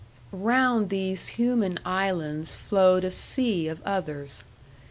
Round these human islands flowed a sea of others.